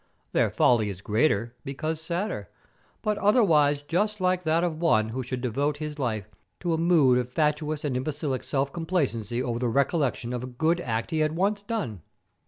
Their folly is greater, because sadder, but otherwise just like that of one who should devote his life to a mood of fatuous and imbecile self complacency over the recollection of a good act he had once done.